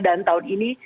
dan tahun ini